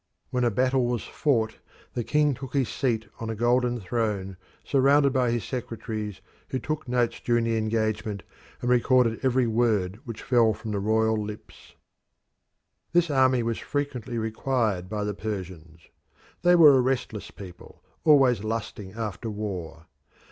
When a battle was fought, the king took his seat on a golden throne, surrounded by his secretaries, who took notes during the engagement and recorded every word which fell from the royal lips. This army was frequently required by the Persians. They were a restless people, always lusting after war.